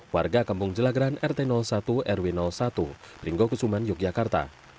warga kampung jelagran rt satu rw satu linggo kusuman yogyakarta